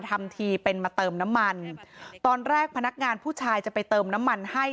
ทำทีเป็นมาเติมน้ำมันตอนแรกพนักงานผู้ชายจะไปเติมน้ำมันให้